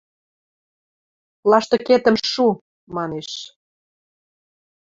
– Лаштыкетӹм шу! – манеш.